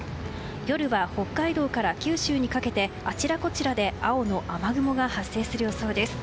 夜は北海道から九州にかけてあちらこちらで青の雨雲が発生する予想です。